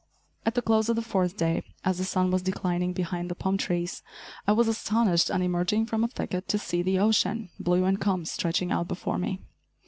At the close of the fourth day, as the sun was declining behind the palm trees, I was astonished, on emerging from a thicket, to see the ocean, blue and calm, stretching out before me.